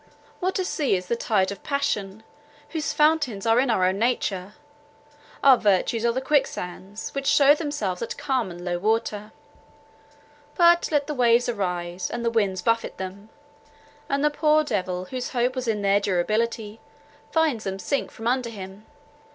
What a sea is the tide of passion, whose fountains are in our own nature! Our virtues are the quick sands, which shew themselves at calm and low water; but let the waves arise and the winds buffet them, and the poor devil whose hope was in their durability, finds them sink from under him.